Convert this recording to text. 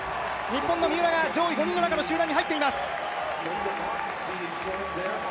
日本の三浦が上位５人の中の集団に入っています。